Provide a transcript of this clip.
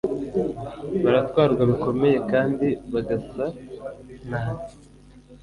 baratwarwa bikomeye kandi bagasa nabi …